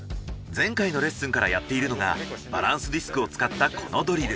前回のレッスンからやっているのがバランスディスクを使ったこのドリル。